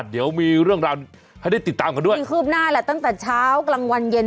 เดี๋ยวมีเรื่องราวให้ได้ติดตามกันด้วยมีคืบหน้าแหละตั้งแต่เช้ากลางวันเย็น